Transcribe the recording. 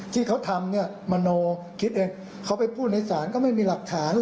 ที่เขาทำเนี่ยมโนคิดเองเขาไปพูดในศาลก็ไม่มีหลักฐาน